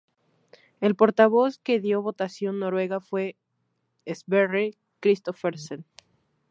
El portavoz que dio la votación noruega fue Sverre Christophersen.